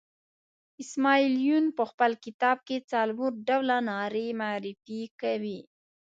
اسماعیل یون په خپل کتاب کې څلور ډوله نارې معرفي کوي.